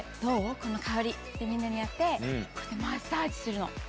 この香りって、みんなにやって、こうやってマッサージするの。